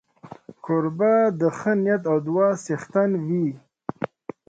کوربه د ښې نیت او دعا څښتن وي.